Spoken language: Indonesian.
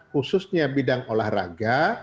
khususnya bidang olahraga